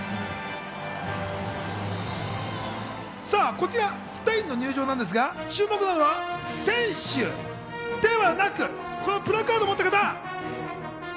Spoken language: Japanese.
こちらスペインの入場なんですが、注目なのは選手ではなくこのプラカードを持った方。